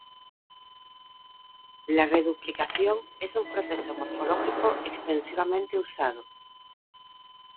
La reduplicación es un proceso morfológico extensivamente usado.